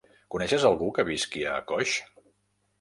Coneixes algú que visqui a Coix?